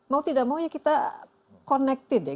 mau tidak mau ya kita connected ya